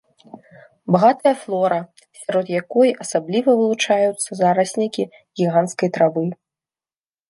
Багатая флора, сярод якой асабліва вылучаюцца зараснікі гіганцкай травы.